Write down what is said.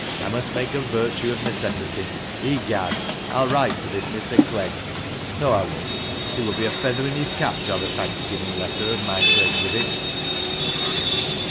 I must make a virtue of necessity. Egad ! I'll write to this Mr. Clegg. No, I won't. It would be a feather in his cap to have a thanksgiving letter of mine to exhibit."